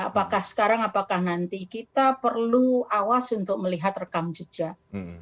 apakah sekarang apakah nanti kita perlu awas untuk melihat rekam jejak